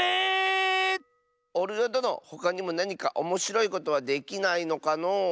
おるよどのほかにもなにかおもしろいことはできないのかのう？